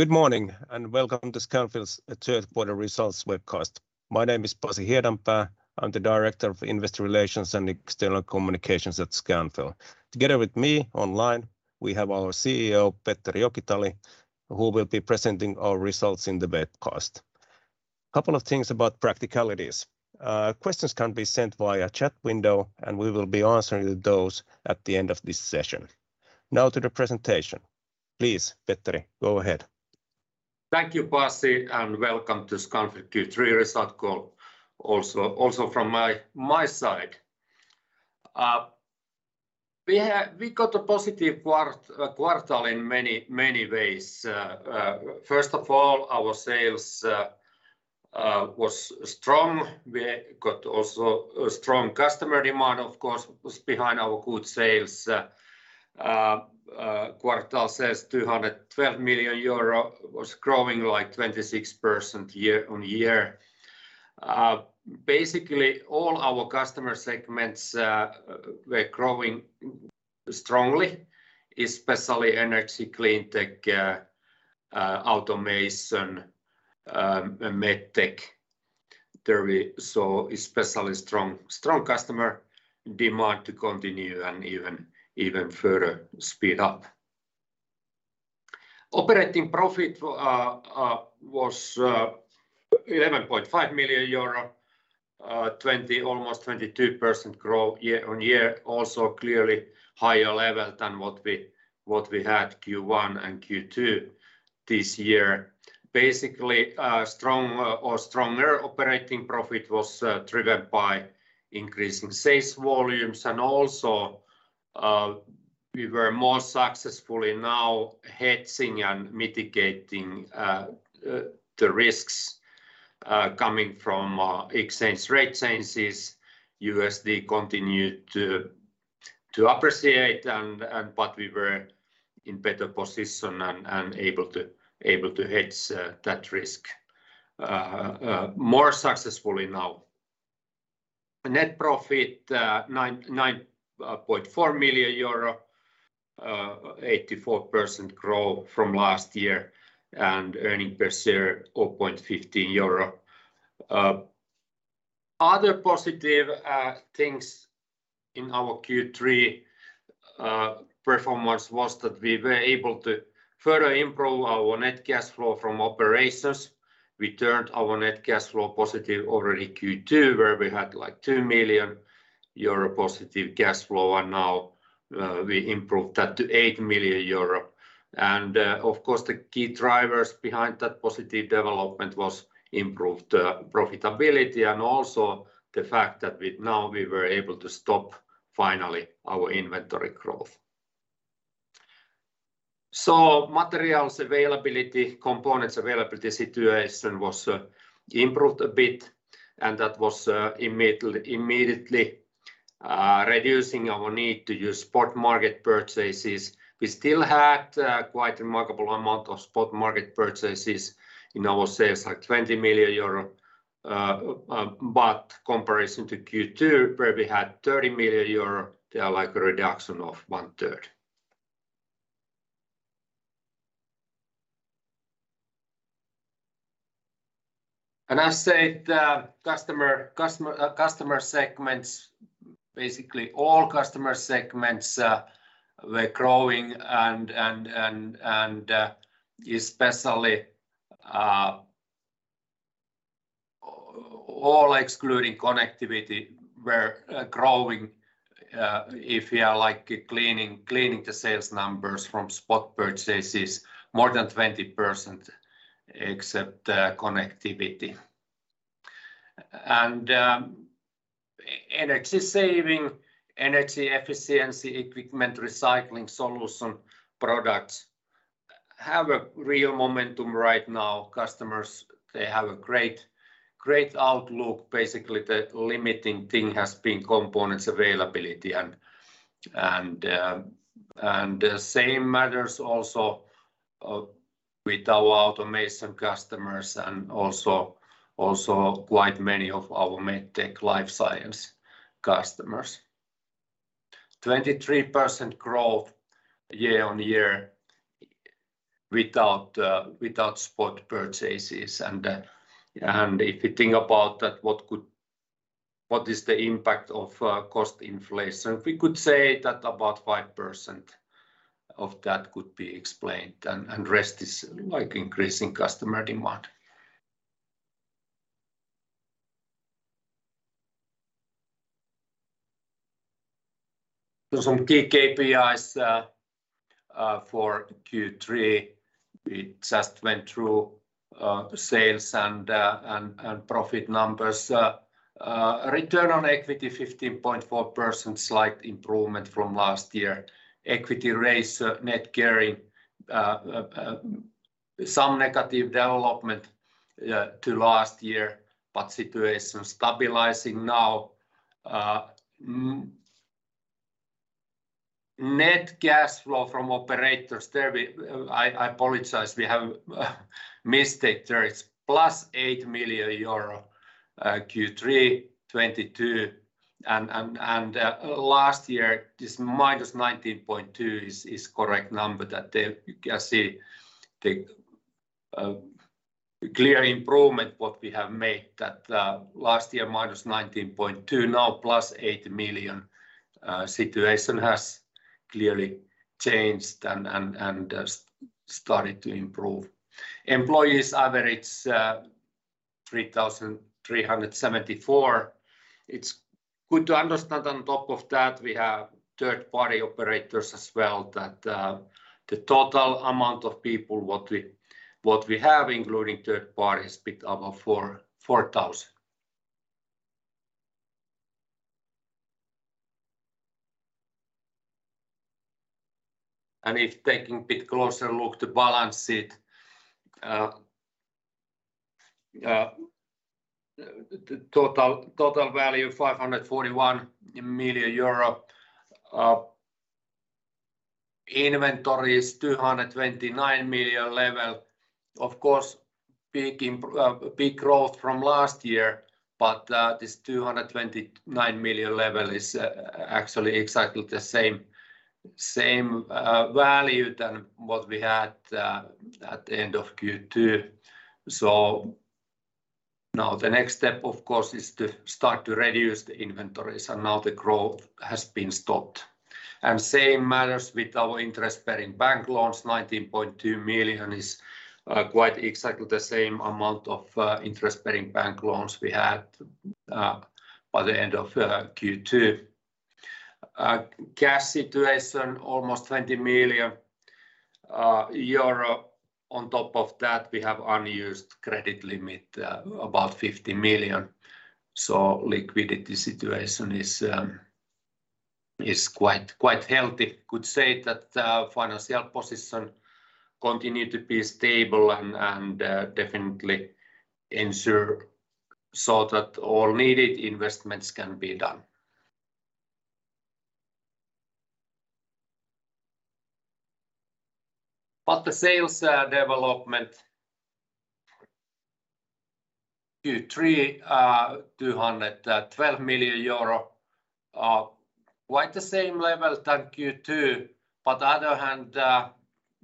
Good morning, and welcome to Scanfil's Q3 results webcast. My name is Pasi Hiedanpää. I'm the Director of Investor Relations and External Communications at Scanfil. Together with me online, we have our CEO, Petteri Jokitalo, who will be presenting our results in the webcast. Couple of things about practicalities. Questions can be sent via chat window, and we will be answering those at the end of this session. Now to the presentation. Please, Petteri, go ahead. Thank you, Pasi, and welcome to Scanfil Q3 results call from my side. We got a positive quarter in many ways. First of all, our sales was strong. We got also a strong customer demand, of course, was behind our good sales. Quarter sales EUR 212 million. Was growing, like, 26% year-on-year. Basically all our customer segments were growing strongly, especially Energy & Cleantech, Automation, and MedTech. There we saw especially strong customer demand to continue and even further speed up. Operating profit was 11.5 million euro. Almost 22% growth year-on-year. Also clearly higher level than what we had Q1 and Q2 this year. Basically, strong or stronger operating profit was driven by increasing sales volumes and also we were more successfully now hedging and mitigating the risks coming from exchange rate changes. USD continued to appreciate and but we were in better position and able to hedge that risk more successfully now. Net profit, 9.4 million euro. 84% growth from last year. Earnings per share, 0.15 euro. Other positive things in our Q3 performance was that we were able to further improve our net cash flow from operations. We turned our net cash flow positive already Q2, where we had, like, 2 million euro positive cash flow and now we improved that to 8 million euro. Of course, the key drivers behind that positive development was improved profitability and also the fact that we were able to stop finally our inventory growth. Materials availability, components availability situation was improved a bit, and that was immediately reducing our need to use spot market purchases. We still had quite remarkable amount of spot market purchases in our sales, like, 20 million euro. In comparison to Q2, where we had 30 million euro, they are like a reduction of one third. I said customer segments, basically all customer segments were growing and especially all excluding connectivity were growing, if you are, like, cleaning the sales numbers from spot purchases more than 20%, except connectivity. Energy saving, energy efficiency equipment recycling solution products have a real momentum right now. Customers, they have a great outlook. Basically, the limiting thing has been components availability and same matters also with our automation customers and also quite many of our MedTech life science customers. 23% growth year-on-year without spot purchases. If you think about that, what is the impact of cost inflation? We could say that about 5% of that could be explained and rest is, like, increasing customer demand. Some key KPIs for Q3. We just went through sales and profit numbers. Return on equity 15.4%, slight improvement from last year. Equity ratio and net gearing some negative development to last year, but situation stabilizing now. Net cash flow from operations. I apologize, we have mistake there. It's +EUR 8 million, Q3 2022. Last year, this -19.2 million is correct number that there you can see the clear improvement what we have made. That last year -19.2 million, now +8 million. Situation has clearly changed and started to improve. Employees average 3,374. It's good to understand on top of that we have third-party operators as well that the total amount of people what we have including third-party is bit above 4,000. If taking bit closer look to balance sheet. The total value 541 million euro. Inventory is 229 million level. Of course big growth from last year, but this 229 million level is actually exactly the same value than what we had at the end of Q2. Now the next step, of course, is to start to reduce the inventories, and now the growth has been stopped. Same matters with our interest-bearing bank loans. 19.2 million is quite exactly the same amount of interest-bearing bank loans we had by the end of Q2. Cash situation almost 20 million euro. On top of that, we have unused credit limit about 50 million. Liquidity situation is quite healthy. Could say that financial position continued to be stable and definitely ensure so that all needed investments can be done. The sales development. Q3 212 million euro. Quite the same level than Q2. On other hand,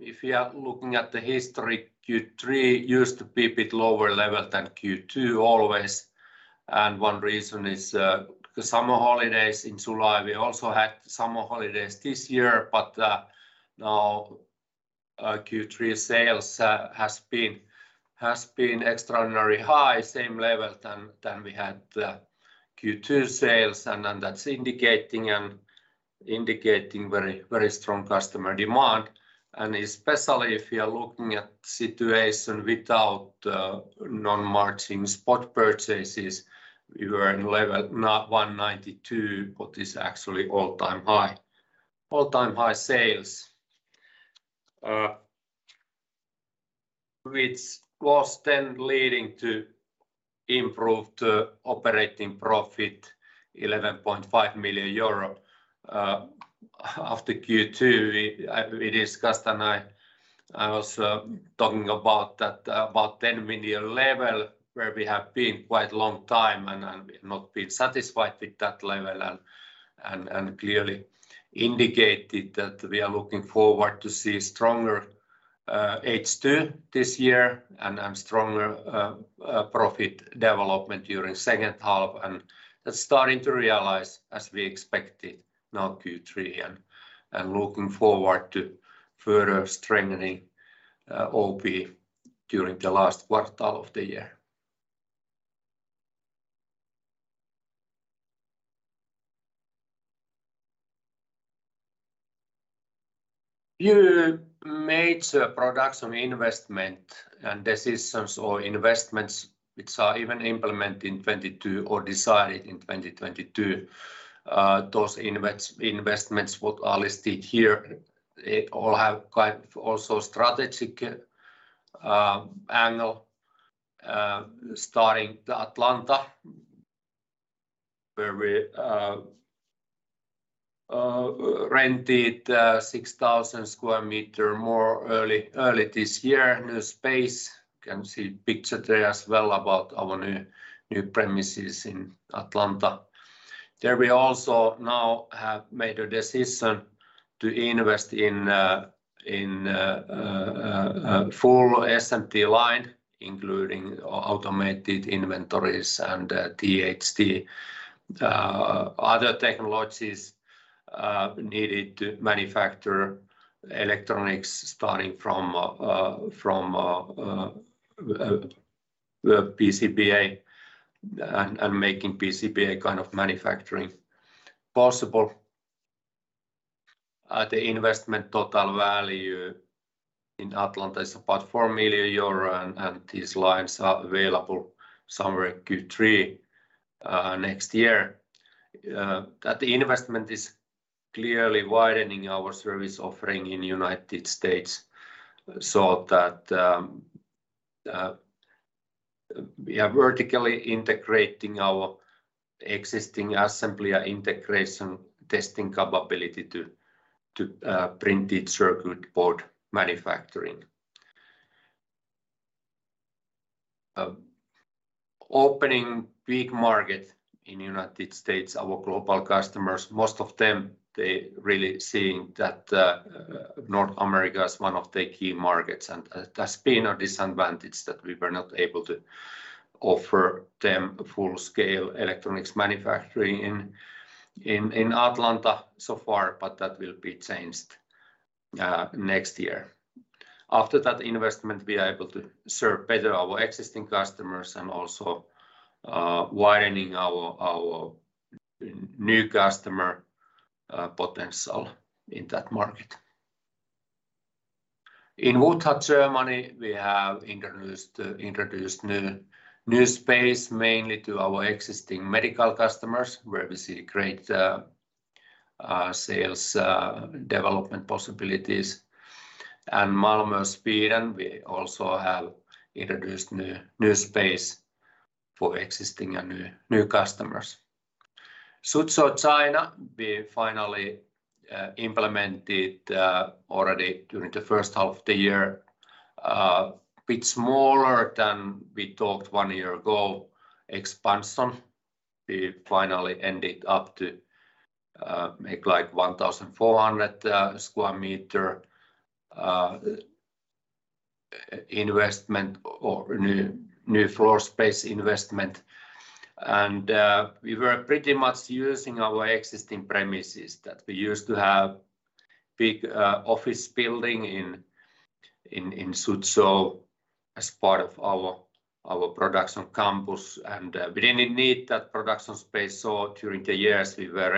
if you are looking at the history, Q3 used to be a bit lower level than Q2 always. One reason is the summer holidays in July. We also had summer holidays this year. Now Q3 sales has been extraordinary high, same level than we had Q2 sales. Then that's indicating indicating very, very strong customer demand. Especially if you are looking at situation without non-margin spot purchases, we were in level now 192 million. It is actually all-time high. All-time high sales. Which was then leading to improved operating profit 11.5 million euro. After Q2, we discussed and I was talking about that about 10 million level where we have been quite long time and not been satisfied with that level and clearly indicated that we are looking forward to see stronger H2 this year and stronger profit development during second half. That's starting to realize as we expected now Q3 and looking forward to further strengthening OP during the last quarter of the year. Few major production investment and decisions or investments which are even implemented in 2022 or decided in 2022. Those investments what are listed here, they all have kind of also strategic angle. Starting Atlanta, where we rented 6,000 square meters more early this year. New space. Can see picture there as well about our new premises in Atlanta. There we also now have made a decision to invest in a full SMT line, including automated inventories and a THT. Other technologies needed to manufacture electronics starting from PCBA and making PCBA kind of manufacturing possible. The investment total value in Atlanta is about 4 million euro and these lines are available somewhere Q3 next year. That investment is clearly widening our service offering in United States so that we are vertically integrating our existing assembly integration testing capability to printed circuit board manufacturing. Opening big market in United States. Our global customers, most of them, they really seeing that North America is one of the key markets, and it has been a disadvantage that we were not able to offer them a full-scale electronics manufacturing in Atlanta so far, but that will be changed next year. After that investment, we are able to serve better our existing customers and also widening our new customer potential in that market. In Wutha-Farnroda, Germany, we have introduced new space mainly to our existing medical customers, where we see great sales development possibilities. Malmö, Sweden, we also have introduced new space for existing and new customers. Suzhou, China, we finally implemented already during the first half the year bit smaller than we talked one year ago. Expansion, we finally ended up to make like 1,400 square meter investment or new floor space investment. We were pretty much using our existing premises that we used to have big office building in Suzhou as part of our production campus. We didn't need that production space, so during the years, we were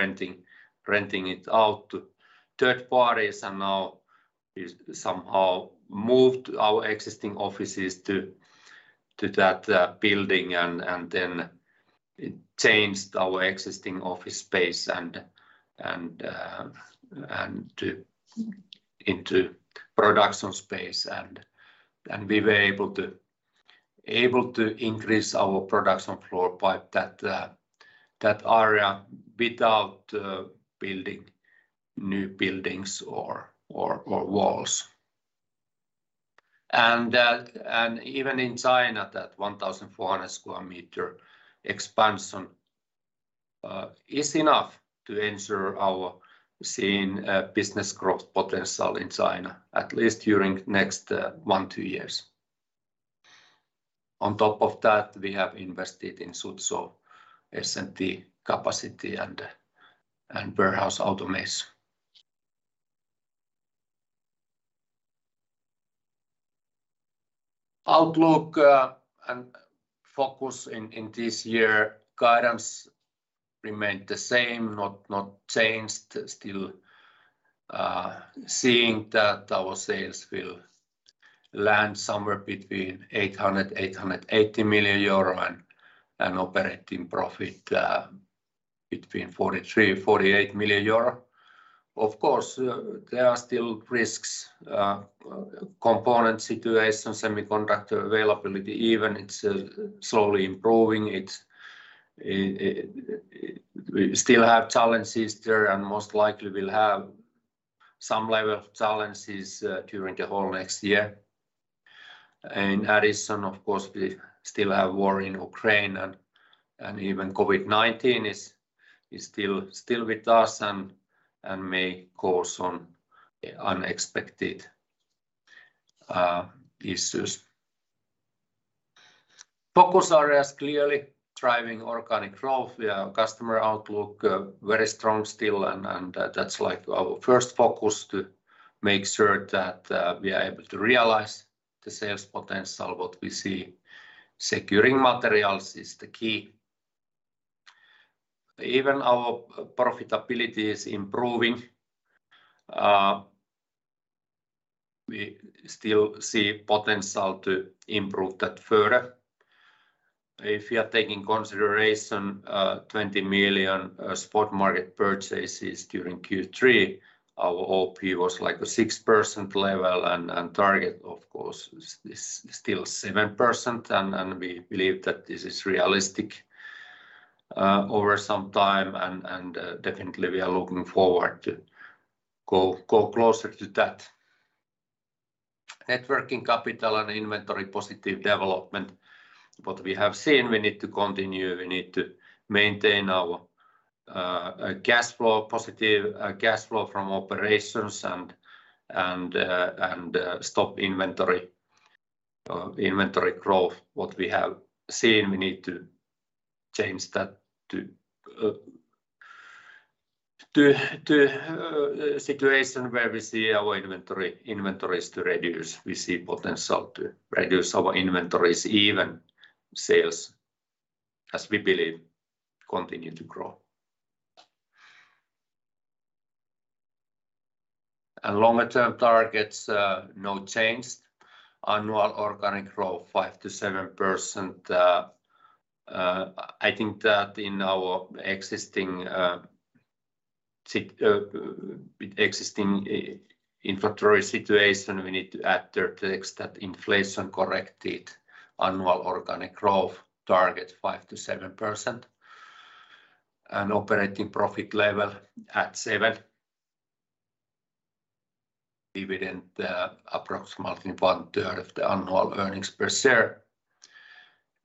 renting it out to third parties. Now we somehow moved our existing offices to that building and then it changed our existing office space and into production space. We were able to increase our production floor by that area without building new buildings or walls. Even in China, that 1,400 square meter expansion is enough to ensure we're seeing business growth potential in China at least during the next one or two years. On top of that, we have invested in Suzhou S&T capacity and warehouse automation. Outlook and focus in this year, guidance remained the same, not changed. Still seeing that our sales will land somewhere between 800 million euro and EUR 880 million and operating profit between 43 million euro and EUR 48 million. Of course, there are still risks, component situation, semiconductor availability, even if it's slowly improving. We still have challenges there and most likely will have some level of challenges during the whole next year. In addition, of course, we still have war in Ukraine and even COVID-19 is still with us and may cause some unexpected issues. Focus areas clearly driving organic growth. We have customer outlook very strong still, and that's like our first focus to make sure that we are able to realize the sales potential what we see. Securing materials is the key. Even our profitability is improving. We still see potential to improve that further. If you are taking into consideration 20 million spot market purchases during Q3, our OP was like a 6% level and target, of course, is still 7%. We believe that this is realistic over some time and definitely we are looking forward to go closer to that. Net working capital and inventory positive development. What we have seen, we need to continue. We need to maintain our positive cash flow from operations and stop inventory growth. What we have seen, we need to change that to a situation where we see our inventories to reduce. We see potential to reduce our inventories even as sales as we believe continue to grow. Longer term targets no change. Annual organic growth 5%-7%. I think that in our existing inventory situation, we need to add the text that inflation corrected annual organic growth target 5%-7%. Operating profit level at 7%. Dividend approximately one third of the annual earnings per share.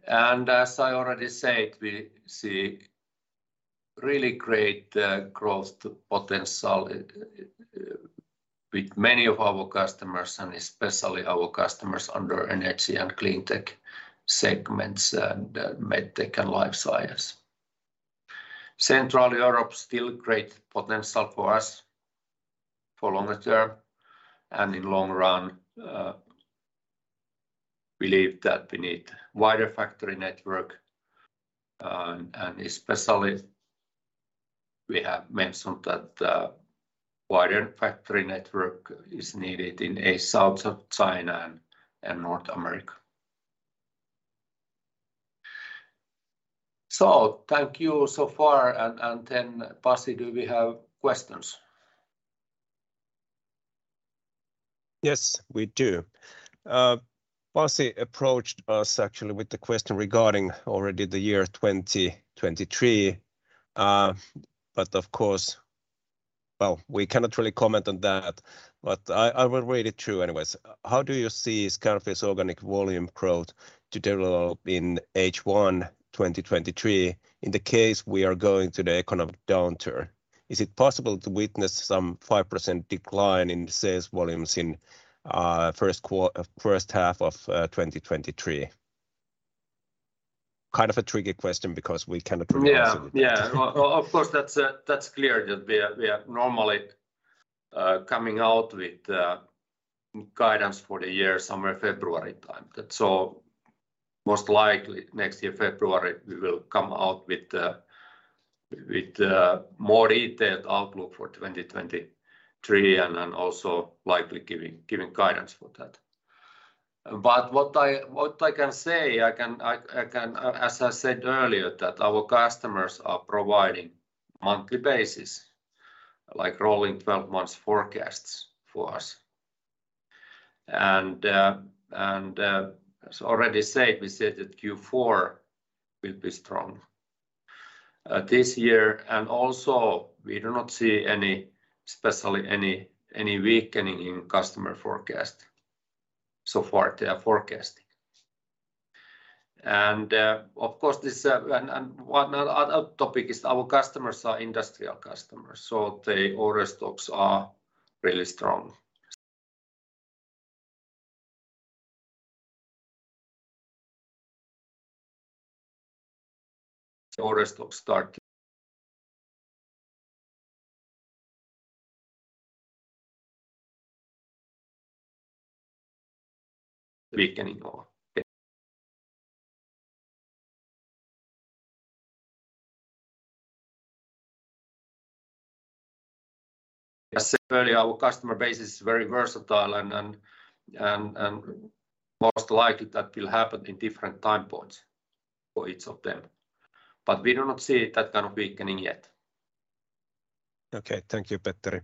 As I already said, we see really great growth potential with many of our customers, and especially our customers under energy and clean tech segments, and med tech and life science. Central Europe still great potential for us for longer term. In long run, we believe that we need wider factory network. Especially we have mentioned that wider factory network is needed in East South of China and North America. Thank you so far. Pasi, do we have questions? Yes, we do. Pasi approached us actually with a question regarding already the year 2023. Of course, we cannot really comment on that, but I will read it through anyways. "How do you see Scanfil's organic volume growth to develop in H1 2023 in the case we are going to the economic downturn? Is it possible to witness some 5% decline in sales volumes in first half of 2023?" Kind of a tricky question because we cannot provide- Yeah. an answer. Of course, that's clear that we are normally coming out with guidance for the year somewhere February time. Most likely next year February, we will come out with more detailed outlook for 2023 and then also likely giving guidance for that. What I can say, I can. As I said earlier, that our customers are providing monthly basis, like rolling 12 months forecasts for us. As already said, we said that Q4 will be strong this year. Also we do not see any, especially any weakening in customer forecast. So far they are forecasting. Of course, one other topic is our customers are industrial customers, so the order stocks are really strong. Orders start weakening. As said earlier, our customer base is very versatile and most likely that will happen in different time points for each of them. We do not see that kind of weakening yet. Okay. Thank you, Petteri.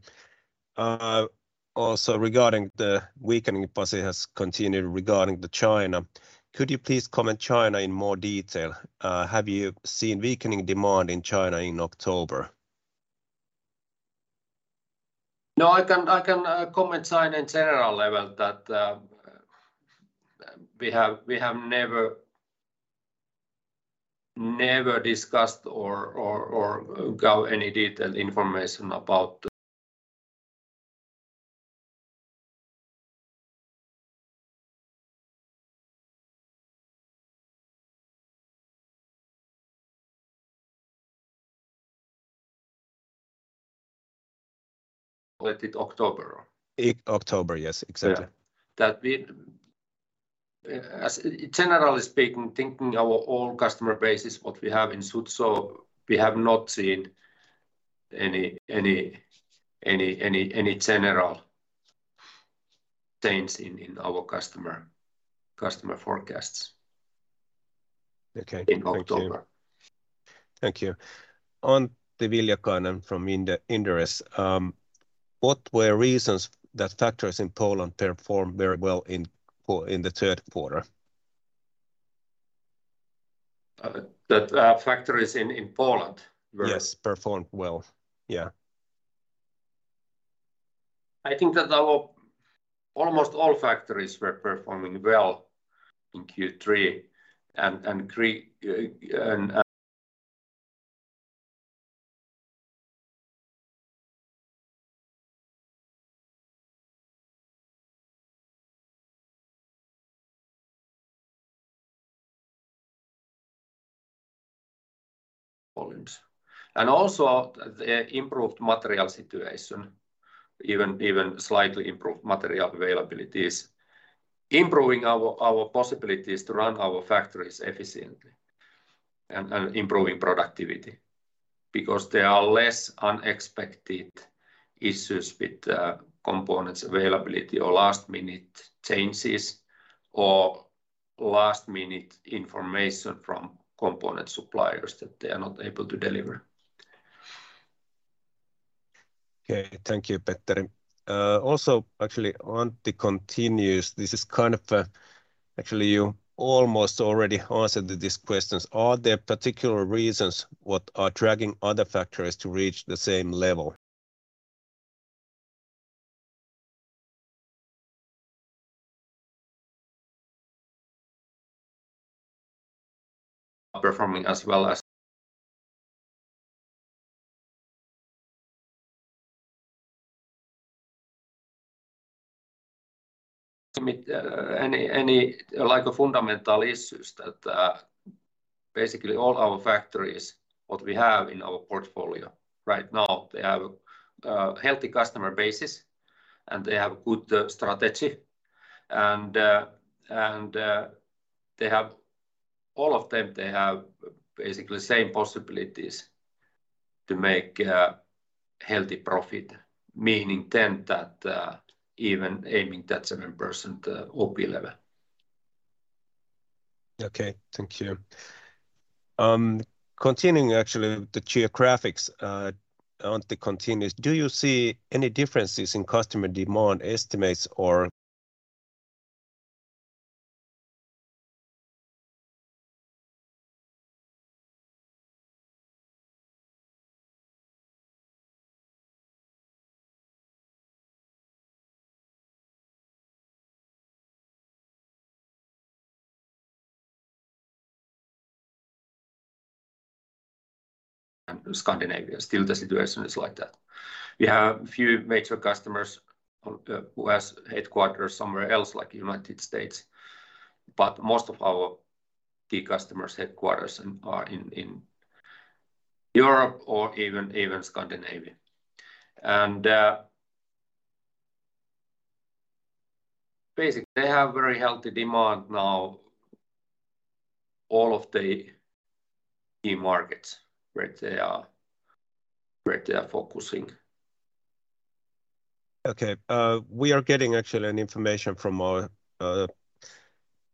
Also regarding the weakening pace has continued regarding China. Could you please comment on China in more detail? Have you seen weakening demand in China in October? No, I can comment on China at a general level that we have never discussed or got any detailed information about October. In October, yes. Exactly. Yeah. As generally speaking, thinking our overall customer base is what we have in Suzhou. We have not seen any general change in our customer forecasts. Okay. Thank you. In October. Thank you. Antti Viljakainen from Inderes. What were reasons that factories in Poland performed very well in the Q3? factories in Poland were. Yes, performed well. Yeah. I think that our almost all factories were performing well in Q3. Also the improved material situation, even slightly improved material availability is improving our possibilities to run our factories efficiently and improving productivity. Because there are less unexpected issues with components availability or last-minute changes or last-minute information from component suppliers that they are not able to deliver. Okay. Thank you, Petteri. Also actually Antti continues. This is kind of, actually you almost already answered these questions. Are there particular reasons what are dragging other factories to reach the same level? Performing as well as any like fundamental issues that basically all our factories, what we have in our portfolio right now, they have a healthy customer base and they have good strategy. All of them, they have basically same possibilities to make healthy profit. Meaning that even aiming that 7% OP level. Okay. Thank you. Continuing actually with the geographics, Antti continues. Do you see any differences in customer demand estimates or- Scandinavia. Still, the situation is like that. We have a few major customers, who has headquarters somewhere else, like United States, but most of our key customers' headquarters are in Europe or even Scandinavia. Basically, they have very healthy demand now. All of the key markets where they are focusing. Okay. We are getting actually an information from our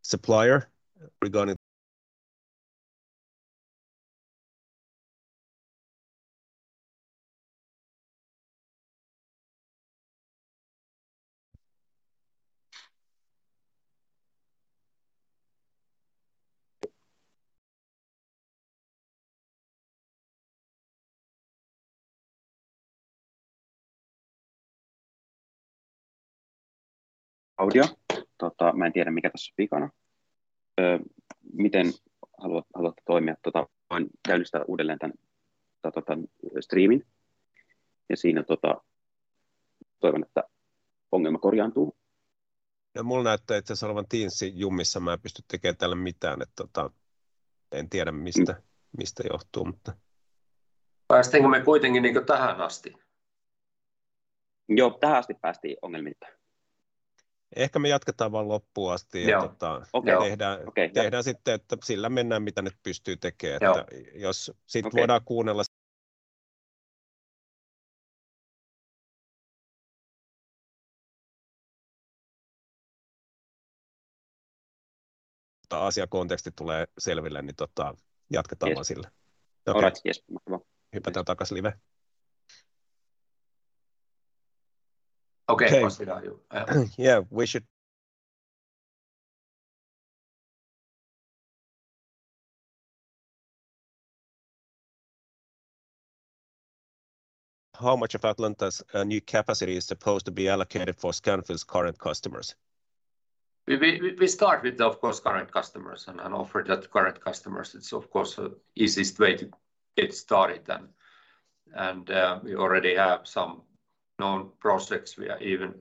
supplier regarding. Mä en tiedä mikä tossa on vikana. Miten haluatte toimia? Voin käynnistää uudelleen tän, tai tän striimin ja siinä toivon, että ongelma korjaantuu. No mul näyttää itse asiassa olevan Teamsin jumissa. Mä en pysty tekeen tälle mitään, et en tiedä mistä johtuu, mutta. Päästiinkö me kuitenkin, niinku, tähän asti? Joo, tähän asti päästiin ongelmitta. Ehkä me jatketaan vaan loppuun asti ja Joo. Okei. Tehdään sitten, että sillä mennään mitä nyt pystyy tekeen, että jos asiakonteksti tulee selville, niin jatketaan vaan sillä. Okei. Jes. Hypätään takaisin live. Okei. How much of Atlanta's new capacity is supposed to be allocated for Scanfil's current customers? We start with, of course, current customers and offer that to current customers. It's of course the easiest way to get started and we already have some known projects. We are even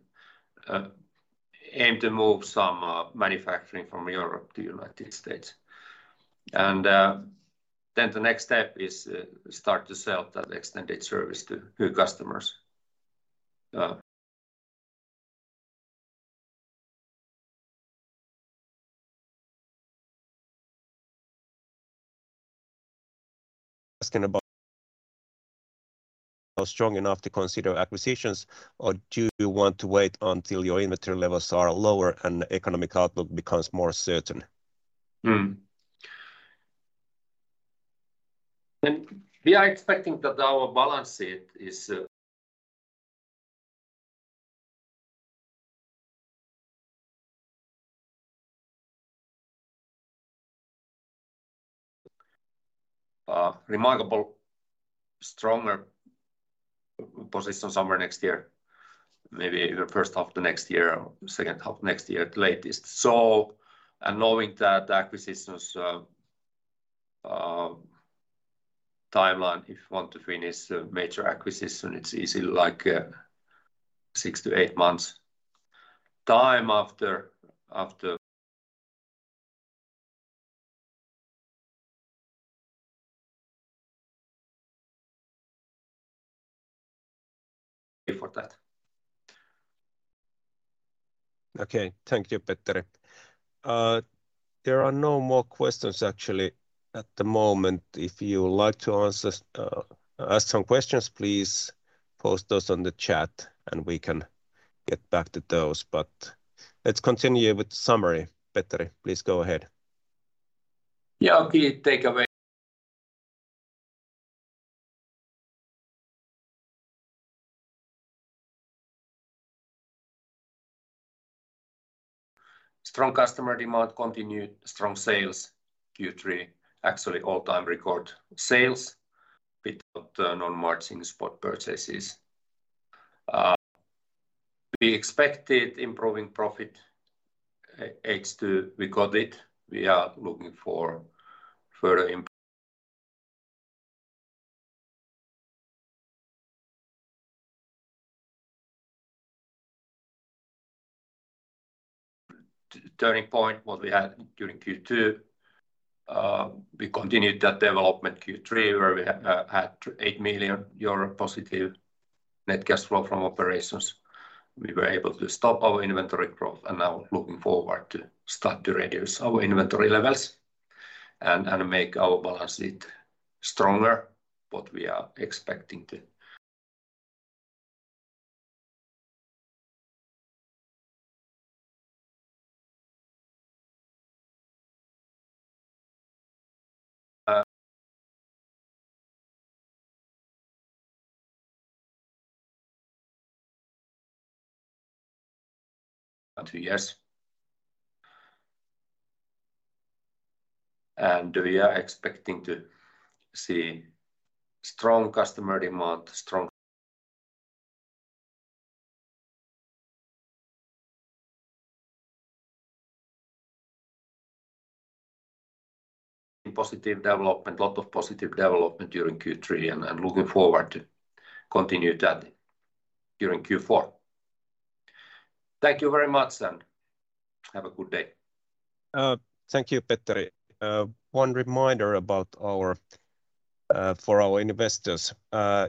aim to move some manufacturing from Europe to United States. Then the next step is start to sell that extended service to new customers. Asking about strong enough to consider acquisitions, or do you want to wait until your inventory levels are lower and economic outlook becomes more certain? We are expecting that our balance sheet is remarkably stronger position somewhere next year, maybe in the first half of the next year or second half next year at the latest. Knowing that acquisitions timeline, if you want to finish a major acquisition, it's easily like 6-8 months time after. For that Okay. Thank you, Petteri. There are no more questions actually at the moment. If you would like to ask some questions, please post those on the chat, and we can get back to those. Let's continue with summary. Petteri, please go ahead. Strong customer demand continued. Strong sales, Q3. Actually, all-time record sales without the non-margin spot purchases. We expected improving profit H2. We got it. We are looking for further turning point what we had during Q2. We continued that development Q3, where we had 8 million euro positive net cash flow from operations. We were able to stop our inventory growth and now looking forward to start to reduce our inventory levels and make our balance sheet stronger. We are expecting to two years. We are expecting to see strong customer demand, strong positive development. Lot of positive development during Q3, and I'm looking forward to continue that during Q4. Thank you very much, and have a good day. Thank you, Petteri. One reminder for our investors.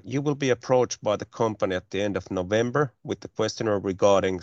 You will be approached by the company at the end of November with a questionnaire regarding